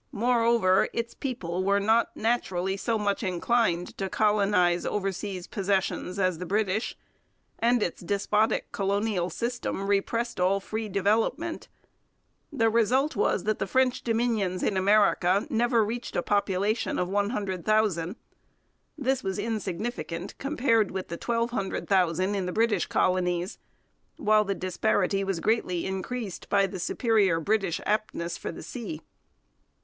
Moreover, its people were not naturally so much inclined to colonize over sea possessions as the British, and its despotic colonial system repressed all free development. The result was that the French dominions in America never reached a population of one hundred thousand. This was insignificant compared with the twelve hundred thousand in the British colonies; while the disparity was greatly increased by the superior British aptness for the sea.